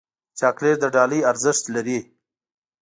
چاکلېټ د ډالۍ ارزښت لري.